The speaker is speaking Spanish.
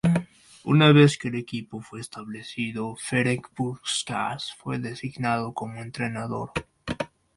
Una vez que el equipo fue establecido Ferenc Puskás fue designado como entrenador.